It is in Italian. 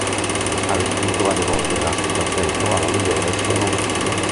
Ha ricevuto varie volte il Nastro d'argento alla migliore scenografia.